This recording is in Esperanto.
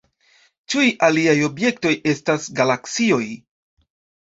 Ĉiuj aliaj objektoj, estas galaksioj.